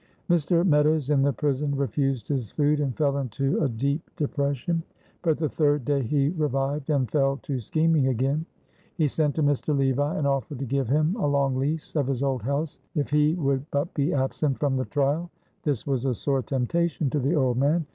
Mr. Meadows in the prison refused his food, and fell into a deep depression; but the third day he revived, and fell to scheming again. He sent to Mr. Levi and offered to give him a long lease of his old house if he would but be absent from the trial. This was a sore temptation to the old man.